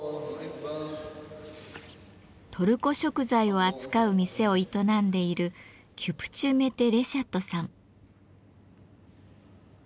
トルコ食材を扱う店を営んでいるキュプチュ・メテ・レシャットさん。